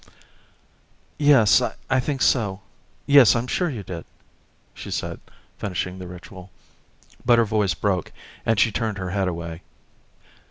"Yes, I think so. Yes, I'm sure you did," she said, finishing the ritual; but her voice broke, and she turned her head away.